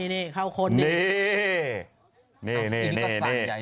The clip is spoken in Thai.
นี่เขาคนนี้